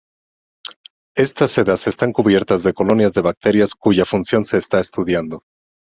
Estas sedas están cubiertas de colonias de bacterias cuya función se está estudiando.